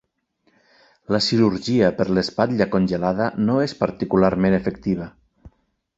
La cirurgia per l'espatlla congelada no és particularment efectiva.